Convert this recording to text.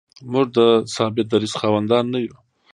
موږ د ثابت دریځ خاوندان نه یو.